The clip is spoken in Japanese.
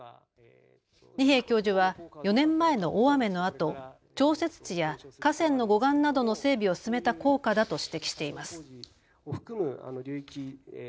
二瓶教授は４年前の大雨のあと調節池や河川の護岸などの整備を進めた効果だと指摘しています。